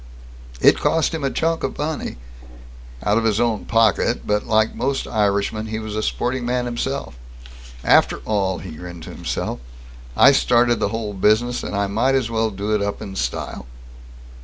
It cost him a chunk of money, out of his own pocket, but like most Irishmen, he was a sporting man himself. After all, he grinned to himself, I started the whole business, and I might as well do it up in style.